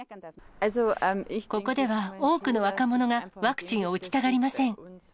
ここでは多くの若者がワクチンを打ちたがりません。